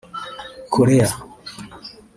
Korea